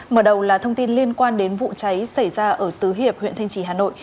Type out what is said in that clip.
mở đầu là thông tin liên quan đến vụ cháy xảy ra ở tứ hiệp huyện thanh trì hà nội